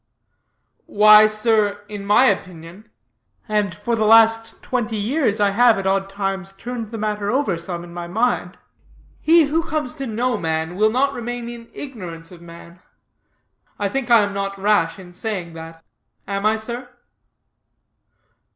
"Why, sir, in my opinion and for the last twenty years I have, at odd times, turned the matter over some in my mind he who comes to know man, will not remain in ignorance of man. I think I am not rash in saying that; am I, sir?"